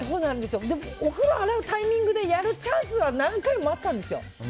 でも、お風呂洗うタイミングでやるチャンス何回もあったんですよ。